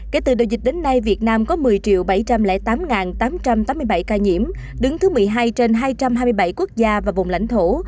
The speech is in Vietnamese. kể từ đầu dịch đến nay việt nam có một mươi bảy trăm linh tám tám trăm tám mươi bảy ca nhiễm đứng thứ một mươi hai trên hai trăm hai mươi bảy quốc gia và vùng lãnh thổ